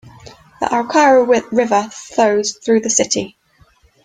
The Arakawa River flows through the city.